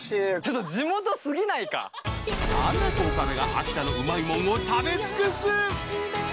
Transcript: ハナコ岡部が秋田のうまいものを食べつくす。